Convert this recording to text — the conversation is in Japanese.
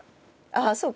ああそうか。